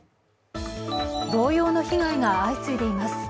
同様の被害が相次いでいます。